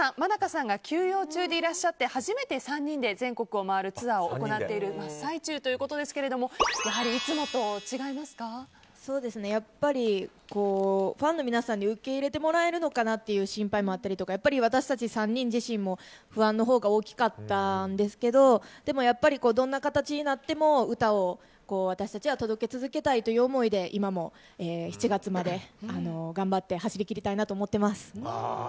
ｍａｎａｋａさんが休養中でいらっしゃって初めて３人で全国を回るツアーを行っている真っ最中ということですがファンの皆さんに受け入れてもらえるのかなという心配もあったりとか私たち３人自身も不安のほうが大きかったんですけどでもやっぱりどんな形になっても歌を私たち他あ届け続けたいという思いで今も７月まで頑張って走り切りたいなと思ってます。